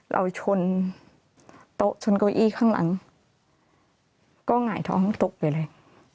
เราชนโต๊ะชนเก้าอี้ข้างหลังก็หงายท้องตกไปเลย